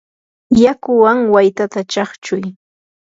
yakuwan waytata chaqchuy.